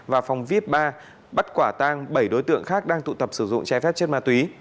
và phòng vip ba bất quả tăng bảy đối tượng khác đang tụ tập sử dụng trái phép chết ma túy